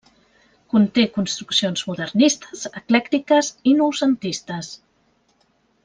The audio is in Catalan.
Conté construccions modernistes, eclèctiques i noucentistes.